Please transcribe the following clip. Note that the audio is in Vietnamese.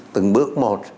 từng bước một